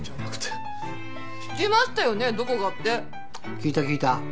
聞いた聞いた。